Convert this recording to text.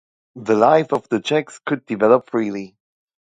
The life of the Czechs could develop freely.